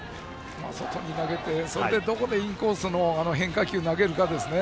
外に投げてどこでインコースの変化球を投げるかですね。